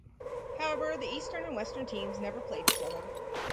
However, the eastern and western teams never played each other.